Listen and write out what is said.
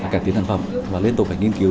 cải tiến sản phẩm và liên tục phải nghiên cứu